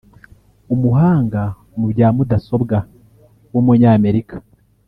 umuhanga mu bya mudasobwa w’umunyamerika